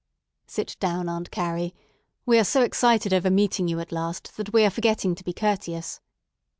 "Sit down, Aunt Carrie. We are so excited over meeting you at last that we are forgetting to be courteous."